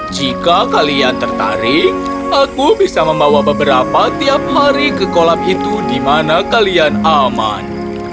jika kalian tertarik aku bisa membawa beberapa tiap hari ke kolam itu di mana kalian aman